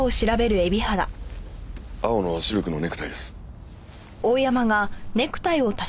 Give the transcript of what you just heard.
青のシルクのネクタイです。